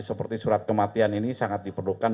seperti surat kematian ini sangat diperlukan